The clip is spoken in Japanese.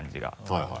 はいはい。